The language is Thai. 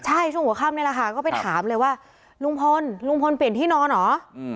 ใช่ช่วงเมื่อค่ำก็ไปถามเลยว่าลุงพลเปลี่ยนที่นอนเหรอ